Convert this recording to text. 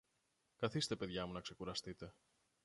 Καθήστε, παιδιά μου, να ξεκουραστείτε.